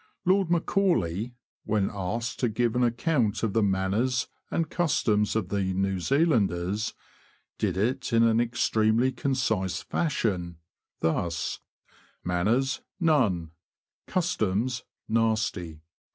Lord Macaulay, when asked to give an account of the manners and customs of the New Zealanders, did it in an extremely concise fashion, thus: ''Manners — none; customs — nasty."